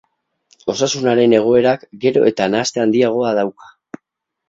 Osasunaren egoerak gero eta nahaste handiagoa dauka.